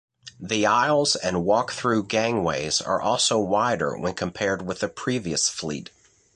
The aisles and walk-through gangways are also wider when compared with the previous fleet.